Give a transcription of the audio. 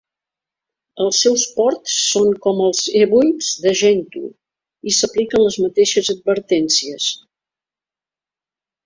Els seus ports són com els ebuilds de Gentoo, i s'apliquen les mateixes advertències.